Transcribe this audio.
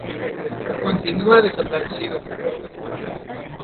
Continúa desaparecido.